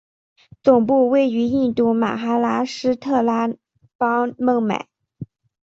总部位于印度马哈拉施特拉邦孟买。